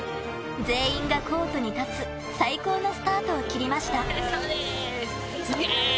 全員がコートに立つ最高のスタートを切りました。